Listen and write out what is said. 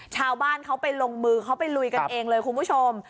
ชาวบ้านเขาไปลงมือเขาไปลุยกันเองเลยคุณผู้ชม